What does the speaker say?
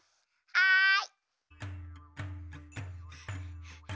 はい！